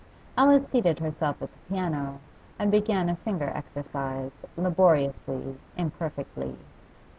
Alice seated herself at the piano, and began a finger exercise, laboriously, imperfectly.